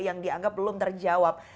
yang dianggap belum terjawab